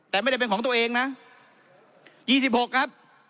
แต่ไม่ได้เป็นของตัวเองนะ๒๖ครับ